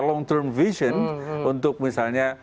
long term vision untuk misalnya